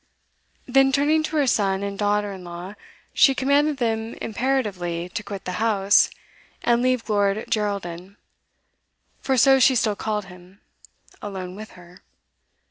Then turning to her son and daughter in law, she commanded them imperatively to quit the house, and leave Lord Geraldin (for so she still called him) alone with her.